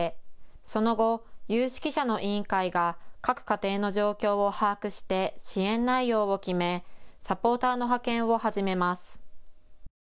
その後、有識者の委員会が各家庭の状況を把握して支援内容を決めサポーターの派遣を始めます。